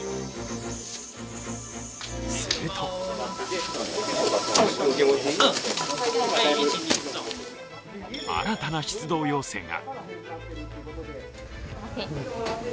すると新たな出動要請が。